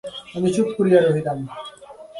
আমি চুপ করিয়া রহিলাম।